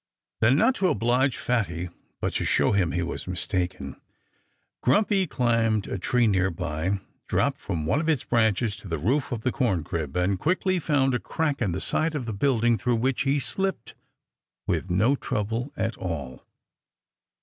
Then, not to oblige Fatty, but to show him he was mistaken, Grumpy climbed a tree near by, dropped from one of its branches to the roof of the corncrib, and quickly found a crack in the side of the building through which he slipped with no trouble at all.